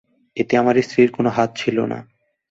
এতে আমার স্ত্রীর কোন হাত ছিল না।